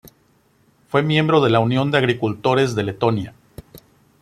Fue miembro de la Unión de Agricultores de Letonia.